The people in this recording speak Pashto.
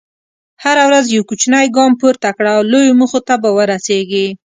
هره ورځ یو کوچنی ګام پورته کړه، لویو موخو ته به ورسېږې.